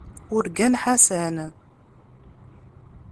Urgan Ḥasan.